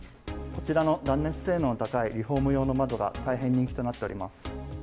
こちらの断熱性能の高い、リフォーム用の窓が大変人気となっております。